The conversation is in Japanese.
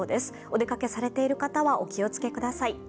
お出かけされている方はお気をつけください。